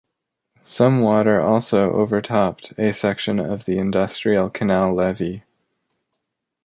Some water also overtopped a section of the Industrial Canal levee.